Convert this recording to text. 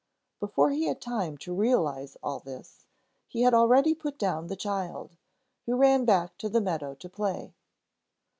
Before he had time to realize all this, he had already put down the child, who ran back to the meadow to play.